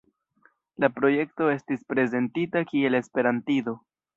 La projekto estis prezentita kiel esperantido.